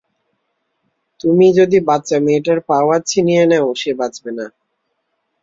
তুমি যদি বাচ্চা মেয়েটার পাওয়ার ছিনিয়ে নেও, সে বাঁচবে না।